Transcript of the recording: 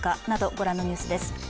ご覧のニュースです。